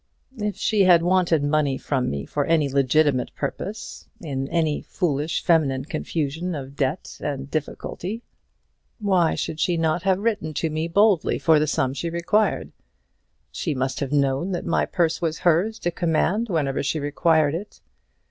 If she had wanted money from me for any legitimate purpose in any foolish feminine confusion of debt and difficulty why should she not have written to me boldly for the sum she required? She must have known that my purse was hers to command whenever she required it.